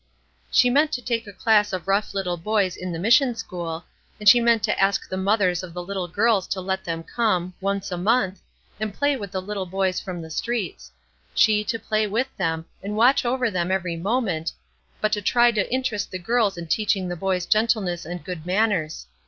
She meant to take a class of rough little boys in the mission school, and she meant to ask the mothers of the little girls to let them come, once a month, and play with the little boys from the streets she to play with them, and watch over them every moment; but to try to interest the girls in teaching the boys gentleness and good manners.